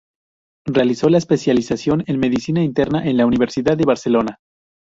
Realizó la especialización en Medicina Interna en la Universidad de Barcelona.